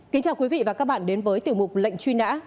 kính chào quý vị và các bạn đến với tiểu mục lệnh truy nã